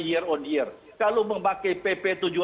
year on year kalau memakai pp